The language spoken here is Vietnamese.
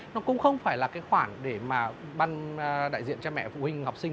nó cũng không phải là khoản để ban đại diện cha mẹ phụ huynh học sinh